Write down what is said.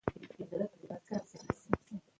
سره دوه څپیزه ده.